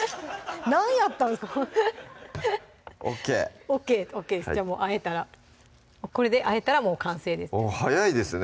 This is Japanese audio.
何やったんですかそれＯＫＯＫですじゃあえたらこれであえたらもう完成です早いですね